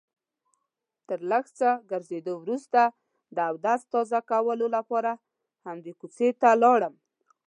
تر لږ څه ګرځېدو وروسته د اودس تازه کولو لپاره همدې کوڅې ته لاړم.